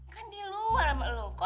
kan di luar sama loko